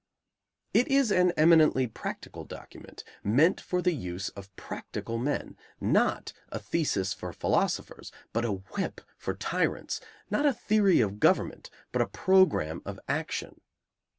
It is an eminently practical document, meant for the use of practical men; not a thesis for philosophers, but a whip for tyrants; not a theory of government, but a program of action.